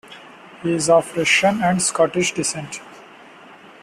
He is of Russian and Scottish descent.